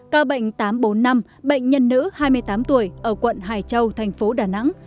ca bệnh tám trăm bốn mươi năm bệnh nhân nữ hai mươi tám tuổi ở quận hải châu thành phố đà nẵng